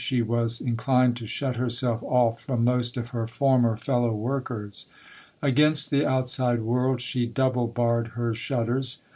She was inclined to shut herself off from most of her former fellow workers. Against the outside world she double barred her shutters.